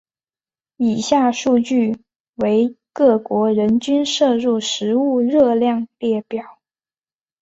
以下数据为各国人均摄入食物热量列表。